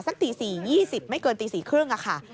สักตี๔๒๐ไม่เกินตี๔๓๐ค่ะ